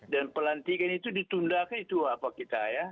dan pelantikan itu ditunda ke itu apa kita ya